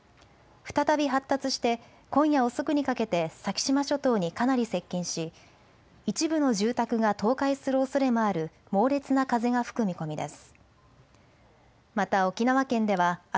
再び発達して今夜遅くにかけて先島諸島にかなり接近し一部の住宅が倒壊するおそれもある猛烈な風が吹く見込みです。